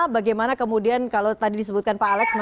bagaimana kemudian kalau tadi disebutkan pak alex